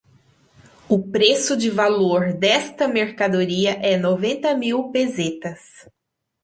O preço de valor desta mercadoria é noventa mil pesetas.